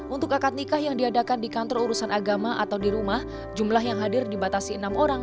untuk akad nikah yang diadakan di kantor urusan agama atau di rumah jumlah yang hadir dibatasi enam orang